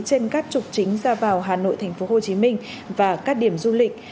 trên các trục chính ra vào hà nội tp hcm và các điểm du lịch